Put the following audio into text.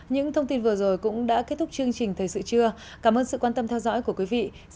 những thông tin vừa rồi cũng đã kết thúc chương trình thời sự trưa cảm ơn sự quan tâm theo dõi của quý vị xin kính chào và hẹn gặp lại